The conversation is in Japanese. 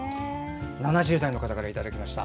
７０代の方からいただきました。